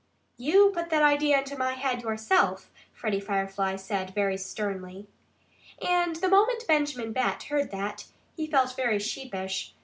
"You put that idea into my head yourself," Freddie Firefly said very sternly. And the moment Benjamin Bat heard that, he felt very sheepish.